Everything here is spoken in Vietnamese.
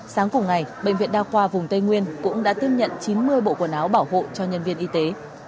sáng cùng ngày bệnh viện đa khoa vùng tây nguyên cũng đã tiếp nhận chín mươi bộ quần áo bảo hộ cho nhân viên y tế